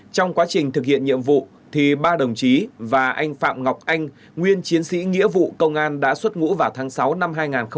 trong quá trình thực hiện nhiệm vụ ba đồng chí và anh phạm ngọc anh nguyên chiến sĩ nghĩa vụ công an đã xuất ngũ vào tháng sáu năm hai nghìn hai mươi ba